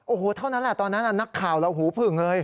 โอ้โหเท่านั้นแหละตอนนั้นนักข่าวเราหูผึ่งเลย